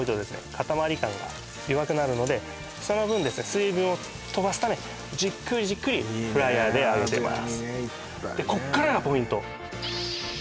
塊感が弱くなるのでその分水分を飛ばすためじっくりじっくりフライヤーで揚げてます